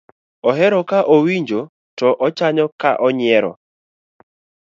ohero ka owinjo to ochanyo ka oyiero